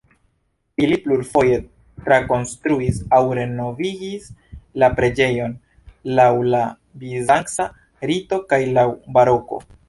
Ili plurfoje trakonstruis aŭ renovigis la preĝejon laŭ la bizanca rito kaj laŭ baroko.